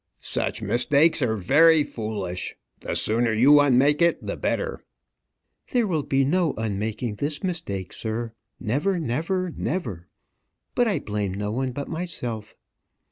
"Such mistakes are very foolish. The sooner you unmake it the better." "There will be no unmaking this mistake, sir, never never never. But I blame no one but myself."